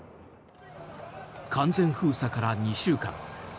完全封鎖から２週間。